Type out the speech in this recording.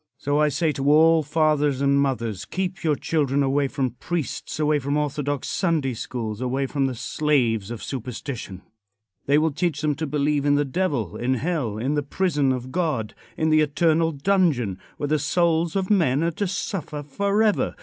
So I say to all fathers and mothers, keep your children away from priests; away from orthodox Sunday schools; away from the slaves of superstition. They will teach them to believe in the Devil; in hell; in the prison of God; in the eternal dungeon, where the souls of men are to suffer forever.